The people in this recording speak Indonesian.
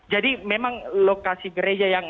jadi memang lokasi gereja yang